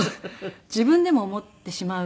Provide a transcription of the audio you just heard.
自分でも思ってしまうぐらい。